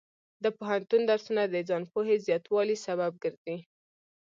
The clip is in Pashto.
د پوهنتون درسونه د ځان پوهې زیاتوالي سبب ګرځي.